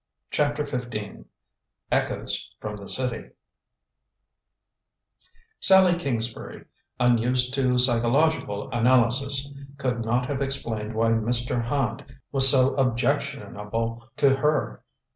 CHAPTER XV ECHOES FROM THE CITY Sallie Kingsbury, unused to psychological analysis, could not have explained why Mr. Hand was so objectionable to her.